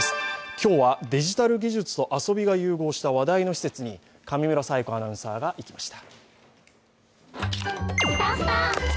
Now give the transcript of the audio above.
今日はデジタル技術と遊びが融合した話題の施設に上村彩子アナウンサーが行きました。